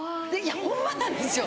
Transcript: ホンマなんですよ